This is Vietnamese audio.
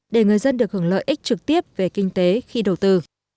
để người dân được hưởng lợi ích trực tiếp về kinh tế khi đầu tư